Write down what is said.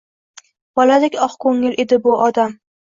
Boladek oq ko’ngil edi bu odam.